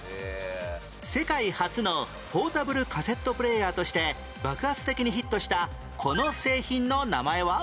世界初のポータブルカセットプレーヤーとして爆発的にヒットしたこの製品の名前は？